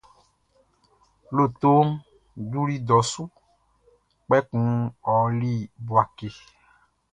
Lotoʼn juli dɔ su, kpɛkun ɔ ɔli Bouaké.